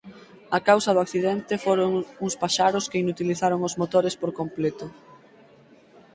A causa do accidente foron uns paxaros que inutilizaron os motores por completo.